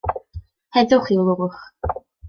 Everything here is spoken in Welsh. Heddwch i'w lwch.